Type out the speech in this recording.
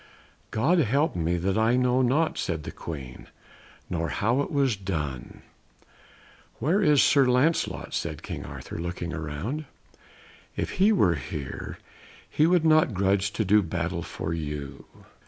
"God help me, that I know not," said the Queen, "nor how it was done." "Where is Sir Lancelot?" said King Arthur, looking round. "If he were here he would not grudge to do battle for you."